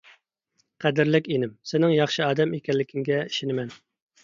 قەدىرلىك ئىنىم، سېنىڭ ياخشى ئادەم ئىكەنلىكىڭگە ئىشىنىمەن.